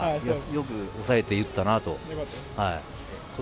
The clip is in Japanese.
よく抑えて打ったなと。